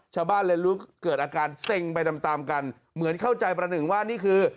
ชาวบ้านเลยรู้เกิดอาการเซ็งไปตามตามกันเหมือนเข้าใจประหนึ่งว่านี่คือ